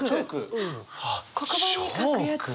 黒板に書くやつ。